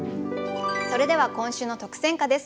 それでは今週の特選歌です。